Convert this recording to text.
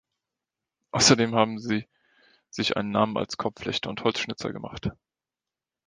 Außerdem haben sie sich einen Namen als Korbflechter und Holzschnitzer gemacht.